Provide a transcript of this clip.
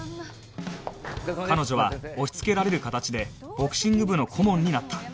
彼女は押しつけられる形でボクシング部の顧問になった